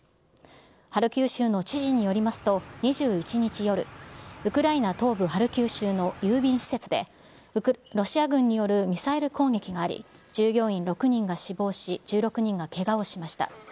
ハルキウ州の知事によりますと、２１日夜、ウクライナ東部ハルキウ州の郵便施設で、ロシア軍によるミサイル攻撃があり、従業員６人が死亡し、１６人がけがをしました。